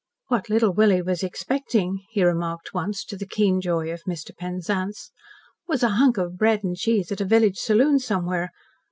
"What Little Willie was expecting," he remarked once, to the keen joy of Mr. Penzance, "was a hunk of bread and cheese at a village saloon somewhere.